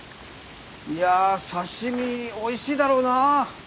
いや刺身おいしいだろうなぁ。